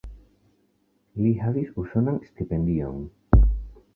Li havis usonan stipendion.